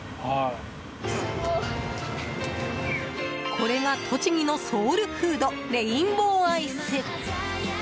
これが栃木のソウルフードレインボーアイス。